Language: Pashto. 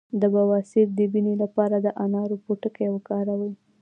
د بواسیر د وینې لپاره د انار پوستکی وکاروئ